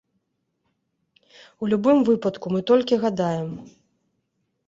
У любым выпадку, мы толькі гадаем.